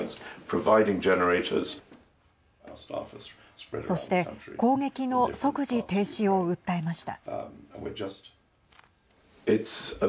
そして攻撃の即時停止を訴えました。